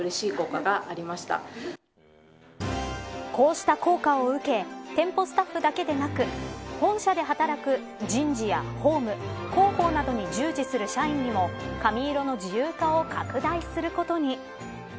こうした効果を受け店舗スタッフだけでなく本社で働く人事や法務広報などに従事する社員にも髪色の自由化を拡大することに。